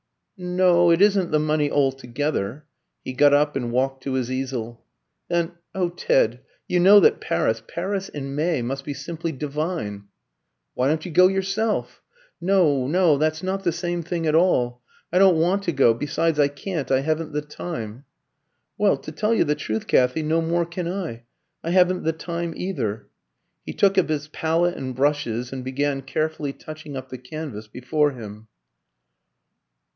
"No, it isn't the money altogether." He got up and walked to his easel. "Then, oh Ted, you know that Paris Paris in May must be simply divine!" "Why don't you go yourself?" "No, no; that's not the same thing at all. I don't want to go; besides, I can't. I haven't the time." "Well, to tell you the truth, Kathy, no more can I. I haven't the time either." He took up his palette and brushes and began carefully touching up the canvas before him.